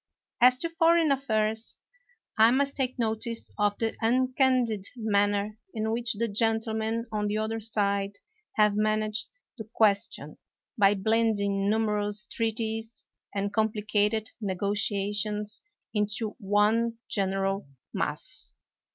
As to foreign affairs, I must take notice of the uncandid manner in which the gentlemen on the other side have managed the question by blend ing numerous treaties and complicated negotia tions into one general mass.